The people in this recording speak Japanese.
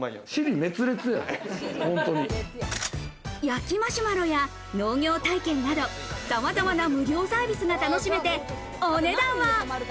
焼きマシュマロや農業体験など、様々な無料サービスが楽しめてお値段は？